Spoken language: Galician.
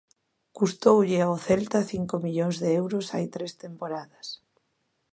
Custoulle ao Celta cinco millóns de euros hai tres temporadas.